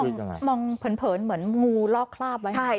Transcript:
นี่มองเผินเหมือนงูลอกคลาภไว้